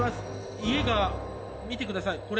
家が見てくださいこれ。